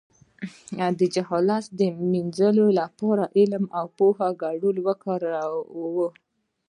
د جهالت د مینځلو لپاره د علم او اوبو ګډول وکاروئ